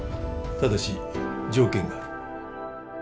ただし条件がある。